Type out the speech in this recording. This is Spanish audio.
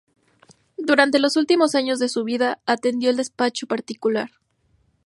Durante los últimos años de su vida atendió el despacho particular.